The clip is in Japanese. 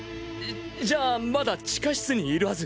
じゃじゃあまだ地下室にいるはず。